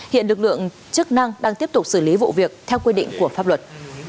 hiện lực lượng chức năng đang tiếp tục xử lý vụ việc theo quy định của pháp luật